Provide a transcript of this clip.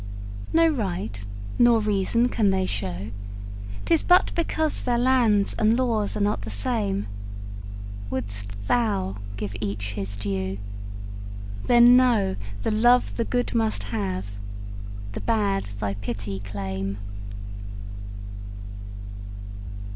No right nor reason can they show; 'Tis but because their lands and laws are not the same. Wouldst thou give each his due; then know Thy love the good must have, the bad thy pity claim.